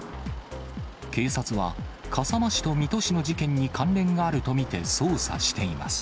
警察は、笠間市と水戸市の事件に関連があると見て捜査しています。